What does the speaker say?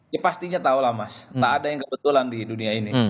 ya pastinya tahulah mas gak ada yang kebetulan di dunia ini